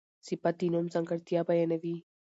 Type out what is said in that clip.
صفت د نوم ځانګړتیا بیانوي.